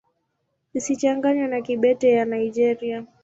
Isichanganywe na Kibete ya Nigeria.